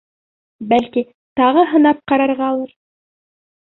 Бәлки, тағы һынап ҡарарғалыр?